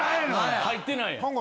入ってないやん。